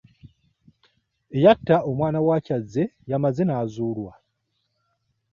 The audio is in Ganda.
Eyatta omwana wa Kyazze yamaze n'azuulwa.